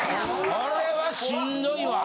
これはしんどいわ。